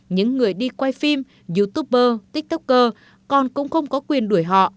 những người đi quay phim youtuber tiktoker còn cũng không có quyền đuổi họ